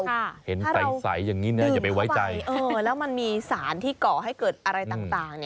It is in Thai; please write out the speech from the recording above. ถ้าเราดื่มเข้าไปแล้วมันมีสารที่ก่อให้เกิดอะไรต่าง